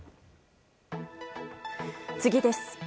次です。